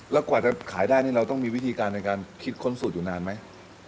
แล้วกว่าจะขายได้นี่เราต้องมีวิธีการในการคิดค้นสูตรอยู่นานไหม